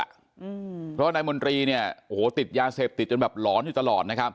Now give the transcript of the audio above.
เพราะว่านายมนตรีติดยาเสพติดจนแบบหลอนอยู่ตลอด